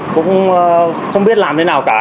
cũng không biết làm thế nào cả